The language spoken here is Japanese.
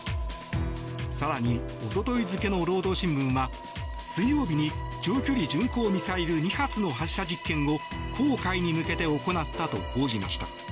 更に、一昨日付の労働新聞は水曜日に長距離巡航ミサイル２発の発射実験を黄海に向けて行ったと報じました。